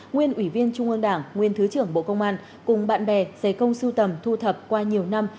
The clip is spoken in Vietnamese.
nguyên ủy viên trung ương đảng nguyên thứ trưởng bộ công an cùng bạn bè giày công sưu tầm thu thập qua nhiều năm